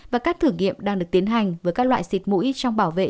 và các thử nghiệm đang được tiến hành với các loại xịt mũi trong bảo vệ